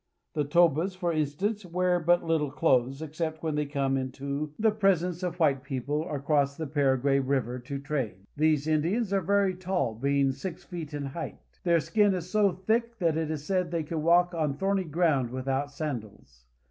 The Tobas, for instance, wear but little clothes, except when they come into the pres ence of white people or cross the Paraguay river to trade. These Indians are very tall, some being six feet in height. Their skin is so thick that it is said they can walk on thorny ground without sandals.